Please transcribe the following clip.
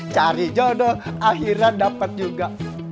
cari jodoh akhirnya dapat juga